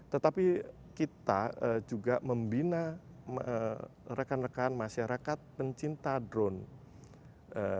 tetapi kita juga membina rekan rekan masyarakat pencinta drone